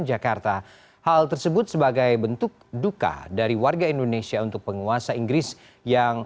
jakarta hal tersebut sebagai bentuk duka dari warga indonesia untuk penguasa inggris yang